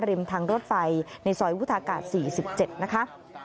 ริมทางรถไฟในซอยวุฒากาศ๔๗นะคะ